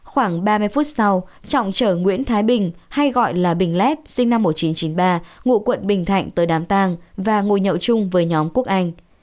khoảng ba mươi phút sau trọng chở nguyễn thái bình hay gọi là bình lép sinh năm một nghìn chín trăm chín mươi ba ngụ quận bình thạnh tới đám tang và ngồi nhậu chung với nhóm quốc anh